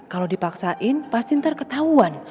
kalau dipaksain pasti ntar ketauan